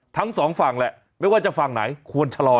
ทั้งสองฝั่งแหละไม่ว่าจะฝั่งไหนควรชะลอ